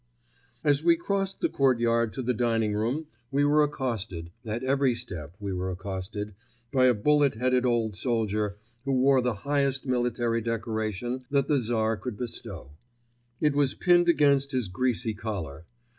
As we crossed the courtyard to the dining room we were accosted—at every step we were accosted—by a bullet headed old soldier who wore the highest military decoration that the Tsar could bestow. It was pinned against his greasy collar.